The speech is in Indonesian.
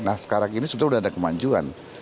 nah sekarang ini sudah ada kemanjuan